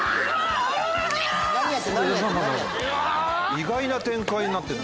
意外な展開になってる。